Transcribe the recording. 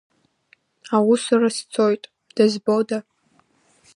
Аусура сцоит, дызбода?